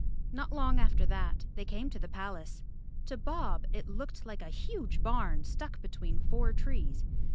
Not long after that they came to the palace. To Bob it looked like a huge barn stuck between four trees.